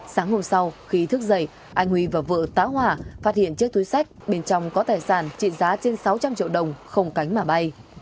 sáng hôm sau khi thức dậy anh huy và vợ tá hỏa phát hiện chiếc túi sách bên trong có tài sản trị giá trên sáu trăm linh triệu đồng không cánh mà bay